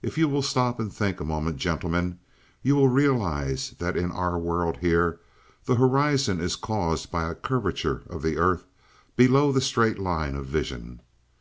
If you will stop and think a moment, gentlemen, you will realize that in our world here the horizon is caused by a curvature of the earth below the straight line of vision.